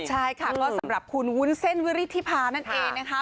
ใช่ค่ะก็สำหรับคุณวุ้นเส้นวิลิธิพานะคะ